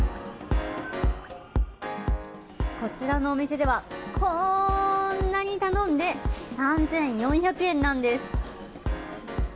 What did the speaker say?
こちらのお店ではこんなに頼んで３４００円なんです。